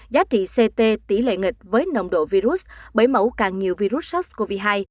giá trị ct tỷ lệ nghịch với nồng độ virus bảy mẫu càng nhiều virus sars cov hai